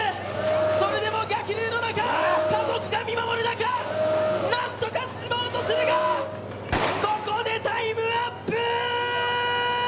それでも逆流の中、家族が見守る中、なんとか進もうとするがここでタイムアップ！